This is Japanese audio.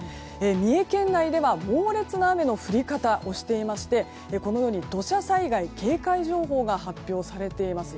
三重県内では猛烈な雨の降り方をしていまして土砂災害警戒情報が発表されています。